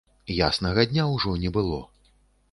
Яснага дня ўжо не было.